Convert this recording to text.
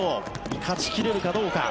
勝ち切れるかどうか。